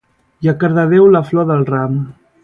I a Cardedeu la flor del ram